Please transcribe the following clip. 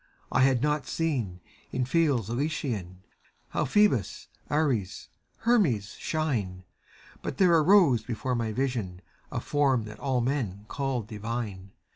. I had not seen, in Fields Elysian, How PhoBbus, Ares, Hermes, shine; But there arose before my vision A form that all men called divine.